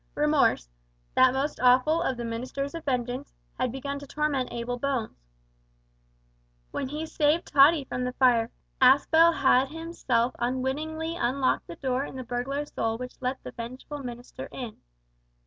Remorse that most awful of the ministers of vengeance had begun to torment Abel Bones. When he saved Tottie from the fire, Aspel had himself unwittingly unlocked the door in the burglar's soul which let the vengeful minister in.